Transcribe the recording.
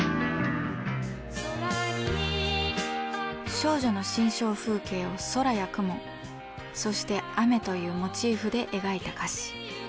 少女の心象風景を空や雲そして雨というモチーフで描いた歌詞。